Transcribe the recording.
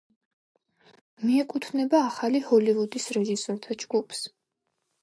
მიეკუთვნება ახლი ჰოლივუდის რეჟისორთა ჯგუფს.